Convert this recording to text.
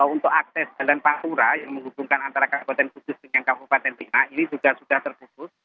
untuk akses jalan pantura yang menghubungkan antara kabupaten kudus dengan kabupaten pingah ini juga sudah terputus